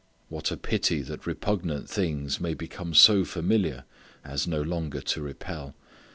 What a pity that repugnant things may become so familiar as no longer to repel.